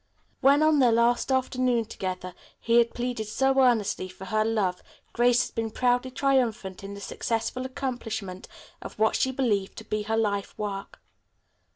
When on their last afternoon together he had pleaded so earnestly for her love Grace had been proudly triumphant in the successful accomplishment of what she believed to be her life work.